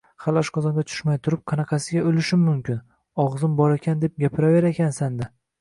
Hali qozonga tushmay turib, qanaqasiga o‘lishim mumkin? Og‘zim borakan deb gapiraverarkansan-da